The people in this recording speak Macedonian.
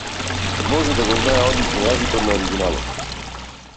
Може да го знае одлично јазикот на оригиналот.